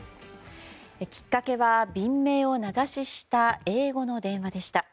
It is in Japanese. きっかけは便名を名指しした英語の電話でした。